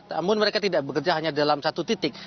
namun mereka tidak bekerja hanya dalam satu titik